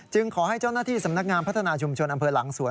ขอให้เจ้าหน้าที่สำนักงานพัฒนาชุมชนอำเภอหลังสวน